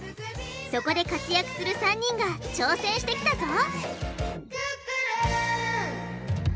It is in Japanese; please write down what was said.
そこで活躍する３人が挑戦してきたぞ！